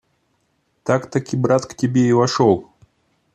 Так-таки брат к тебе и вошел?